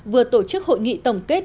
vừa tổ chức hội nghị tổng kết